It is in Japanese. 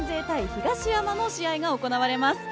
東山の試合が行われます。